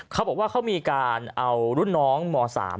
เขาบอกว่าเขามีการเอารุ่นน้องม๓